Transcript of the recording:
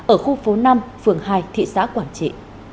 ở khu phố năm phường hai thị xã quảng trị